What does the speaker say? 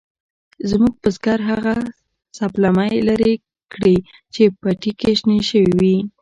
زموږ بزگر هغه سپلمۍ لرې کړې چې پټي کې شنې شوې وې.